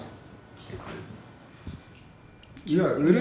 来てくれるの。